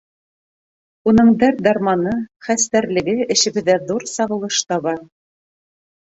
Уның дәрт-дарманы, хәстәрлеге эшебеҙҙә ҙур сағылыш таба.